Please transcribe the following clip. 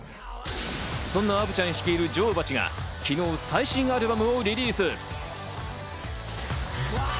そんなアヴちゃん率いる女王蜂が、昨日、最新アルバムをリリース。